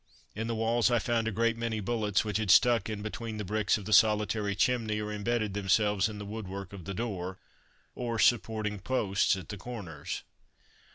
In the walls I found a great many bullets which had stuck in between the bricks of the solitary chimney or imbedded themselves in the woodwork of the door or supporting posts at the corners.